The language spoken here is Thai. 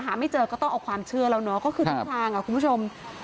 ไม่เจอก็ต้องเอาความเชื่อแล้วเนาะก็คือทุกทางคุณผู้ชม